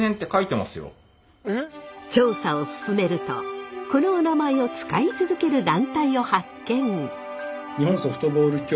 調査を進めるとこのおなまえを使い続ける団体を発見。